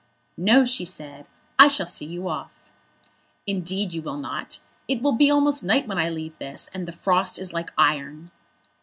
"No," she said; "I shall see you off." "Indeed you will not. It will be almost night when I leave this, and the frost is like iron."